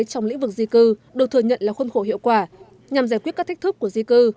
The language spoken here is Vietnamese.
trong lĩnh vực di cư được thừa nhận là khuôn khổ hiệu quả nhằm giải quyết các thách thức của di cư